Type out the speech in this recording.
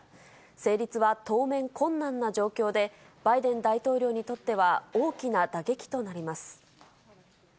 成立は当面、困難な状況で、バイデン大統領にとっては大きな打撃となります。